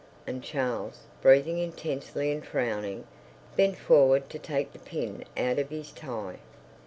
And Charles, breathing intensely and frowning, bent forward to take the pin out of his tie.